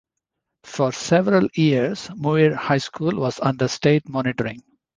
For several years, Muir High School was under state monitoring.